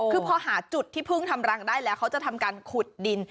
คือพอหาจุดที่พึ่งทำรังได้แล้วเขาจะทำการขุดดิน